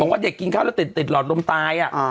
ว่าเด็กกินข้าวแล้วติดหลอดลมตาย